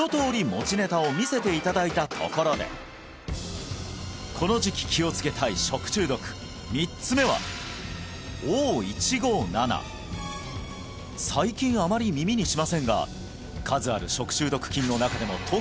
持ちネタを見せていただいたところでこの時期気をつけたい食中毒３つ目は最近あまり耳にしませんが数ある食中毒